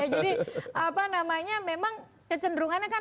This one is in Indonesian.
jadi memang kecenderungannya